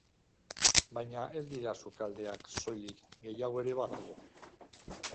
Baina ez dira sukaldeak, soilik, gehiago ere badago.